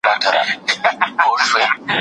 هغه په ډېرې ارامۍ سره خپله وروستۍ ساه اخلې.